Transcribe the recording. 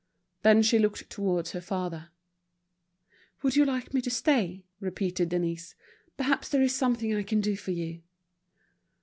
Then she looked towards her father. "Would you like me to stay?" repeated Denise. "Perhaps there is something I can do for you."